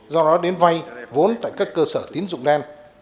do đó đến vay vốn tại các cơ sở tín dụng đen